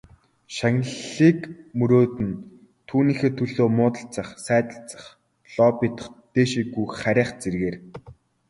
Шагналыг мөрөөднө, түүнийхээ төлөө муудалцах, сайдалцах, лоббидох, дээшээ гүйх харайх зэргээр цаг наргүй хөөцөлдөнө.